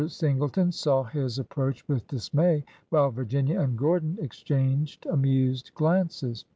Singleton saw his ap proach with dismay, while Virginia and Gordon ex changed amused glances.